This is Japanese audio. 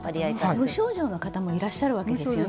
無症状の方もいらっしゃるわけですよね。